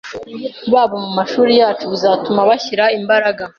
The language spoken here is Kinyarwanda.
babo mumashuri yacu bizatuma bashyira imbaraga